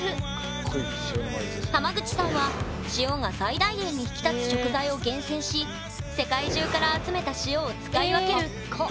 濱口さんは塩が最大限に引き立つ食材を厳選し世界中から集めた塩を使い分けるまさしく「塩の魔術師」！